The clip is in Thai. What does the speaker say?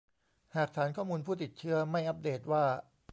หากฐานข้อมูลผู้ติดเชื้อไม่อัปเดตว่า